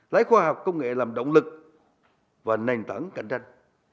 lấy khoa học công nghệ làm động lực và nền tảng cạnh tranh